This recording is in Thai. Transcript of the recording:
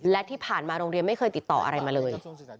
และที่ผ่านมาโรงเรียนไม่เคยติดต่ออะไรมาเลย